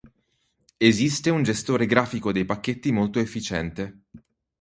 Esiste un gestore grafico dei pacchetti molto efficiente.